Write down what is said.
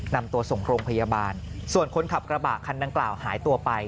ในถักพยาบาลส่วนคนขับกระบะคันเหนือกล่าวหายไป